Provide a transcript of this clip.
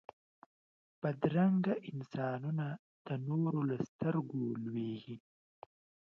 بدرنګه انسانونه د نورو له سترګو لوېږي